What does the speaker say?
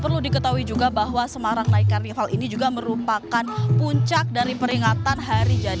perlu diketahui juga saudara